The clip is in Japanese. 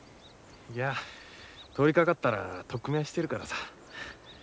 いや通りかかったら取っ組み合いしてるからさ。